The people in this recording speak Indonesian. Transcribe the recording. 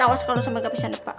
awas kalau sampai ke abis yang depan